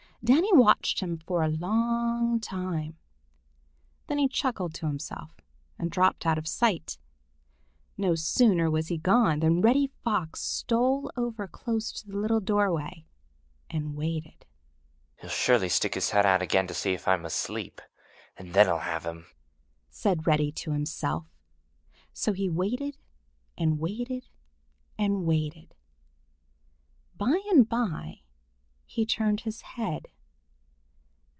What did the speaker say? Danny watched him for a long time. Then he chuckled to himself and dropped out of sight. No sooner was he gone than Reddy Fox stole over close to the little doorway and waited. "He'll surely stick his head out again to see if I'm asleep, and then I'll have him," said Reddy to himself. So he waited and waited and waited. By and by he turned his head.